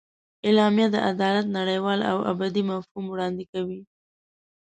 اعلامیه د عدالت نړیوال او ابدي مفهوم وړاندې کوي.